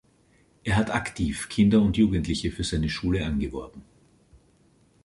Er hat aktiv Kinder und Jugendliche für seine Schule angeworben.